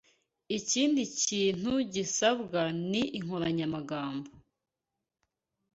Ikindi kintu gisabwa ni inkoranyamagambo.